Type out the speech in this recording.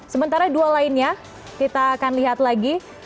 sementara dua lainnya kita akan lihat lagi